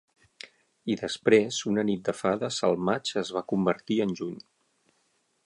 I després, una nit de fades, el maig es va convertir en juny.